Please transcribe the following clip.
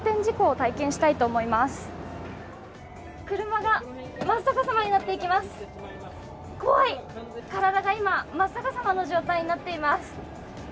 体が今真っ逆さまの状態になっています。